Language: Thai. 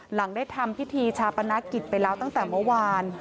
หลังได้ทำพิธีชาปนกิจไปแล้วตั้งแต่เมื่อวาน